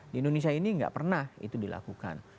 di indonesia ini nggak pernah itu dilakukan